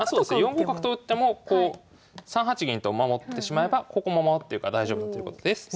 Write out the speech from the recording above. ４五角と打ってもこう３八銀と守ってしまえばここも守ってるから大丈夫ということですね。